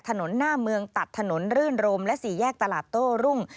ถนนหน้าเมืองตัดถนนรื่นรมและสี่แยกตลาดโต้รุ่ง